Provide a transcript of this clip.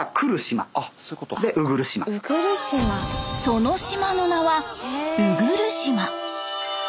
その島の名は鵜来島。